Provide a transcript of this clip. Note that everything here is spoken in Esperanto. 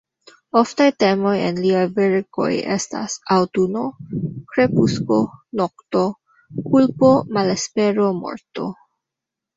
Oftaj temoj en liaj verkoj estas: aŭtuno, krepusko, nokto; kulpo, malespero, morto.